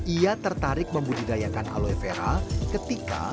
ia tertarik membudidayakan aloe vera ketika